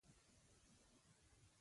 پکورې د لمونځ نه وروسته خوند کوي